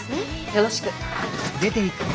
よろしく。